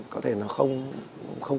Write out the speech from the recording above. có thể nó không